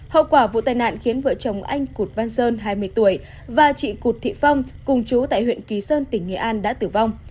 hậu quả vụ tai nạn khiến vợ chồng anh cụt văn sơn hai mươi tuổi và chị cụt thị phong cùng chú tại huyện kỳ sơn tỉnh nghệ an đã tử vong